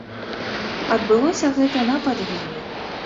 Адбылося гэта на пад'ёме.